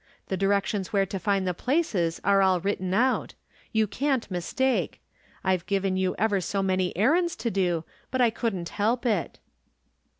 The directions where to find the places are all written out. You can't mistake. I've given you ever so many errands to do, but I couldn't help it."